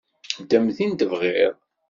Ddem tin tebɣiḍ.